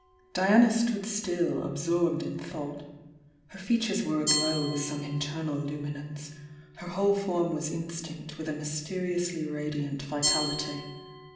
Diana stood still, absorbed in thought. Her fea tures were aglow with some internal luminance, — her whole form was instinct with a mysteriously radiant vitality.